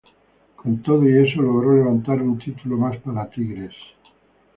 Con todo y eso, logró levantar un título más para Tigres.